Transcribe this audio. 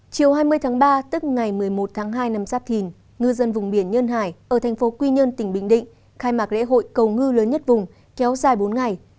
chiều hai mươi tháng ba tức ngày một mươi một tháng hai năm giáp thìn ngư dân vùng biển nhân hải ở thành phố quy nhơn tỉnh bình định khai mạc lễ hội cầu ngư lớn nhất vùng kéo dài bốn ngày